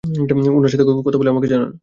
উনার সাথে কথা বলে আমাকে জানান।